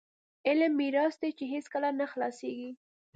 علم میراث دی چې هیڅکله نه خلاصیږي.